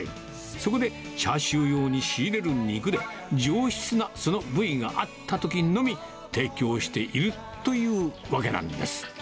そこでチャーシュー用に仕入れる肉で、上質なその部位があったときのみ、提供しているというわけなんです。